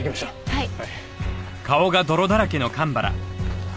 はい。